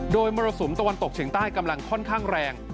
โดยมรสุมตะวันตกเฉียงใต้กำลังค่อนข้างแรง